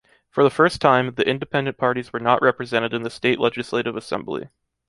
For the first time, the independent parties were not represented in the State Legislative Assembly.